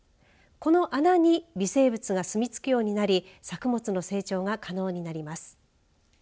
この穴に微生物が住み着くようになり作物の成長が可能になります。